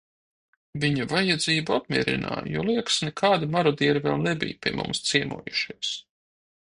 "Viņa vajadzību apmierināju, jo liekas, nekādi "marodieri" vēl nebij pie mums ciemojušies."